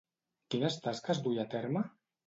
Quines tasques duia a terme?